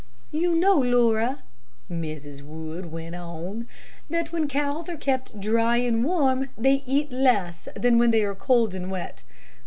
"You know, Laura," Mrs. Wood went on, "that when cows are kept dry and warm, they eat less than when they are cold and wet.